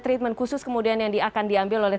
treatment khusus kemudian yang akan diambil oleh